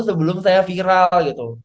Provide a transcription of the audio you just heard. sebelum saya viral